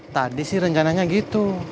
tadi sih rencananya gitu